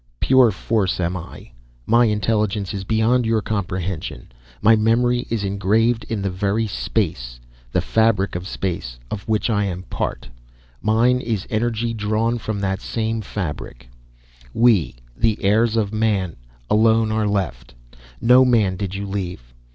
Pure force am I. My Intelligence is beyond your comprehension, my memory is engraved in the very space, the fabric of space of which I am a part, mine is energy drawn from that same fabric. "We, the heirs of man, alone are left; no man did you leave.